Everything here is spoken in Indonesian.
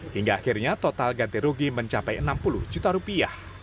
hingga akhirnya total ganti rugi mencapai enam puluh juta rupiah